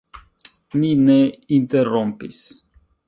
Mi ne interrompis.